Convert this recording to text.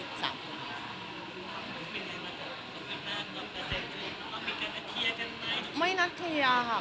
มีใครมากับอัปเดตหรือมีการนัดเทียร์กันไหม